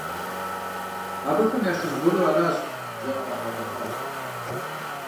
Абыхэм ящыщ гуэру аращ жаӏэр а къагъуэтар.